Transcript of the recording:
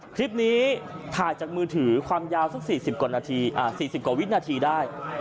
คลิปนี้ถ่ายจากมือถือความยาวสัก๔๐กว่าวิตนาทีได้